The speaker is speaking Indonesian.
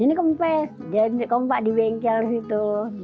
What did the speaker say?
ini kempes jadi kompak di bengkel itu